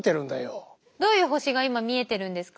どういう星が今見えてるんですか？